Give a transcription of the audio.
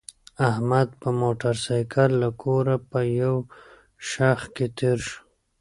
احمد په موټرسایکل له کوره په یو شخ کې تېر شو.